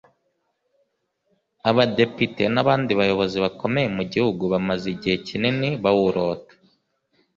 abadepite n’abandi bayobozi bakomeye mu gihugu bamaze igihe kinini bawurota